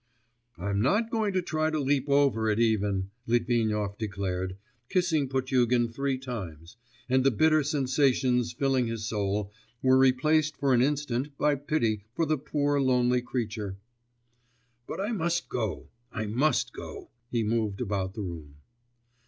'I'm not going to try to leap over it even,' Litvinov declared, kissing Potugin three times, and the bitter sensations filling his soul were replaced for an instant by pity for the poor lonely creature. 'But I must go, I must go ...' he moved about the room.